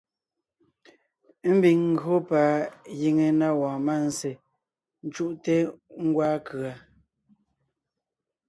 Ḿbiŋ ńgÿo pa giŋe na wɔɔn mánzsè cú’te ńgwaa kʉ̀a.